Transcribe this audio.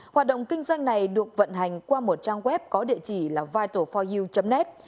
hoạt động kinh doanh này được vận hành qua một trang web có địa chỉ là vital foyu net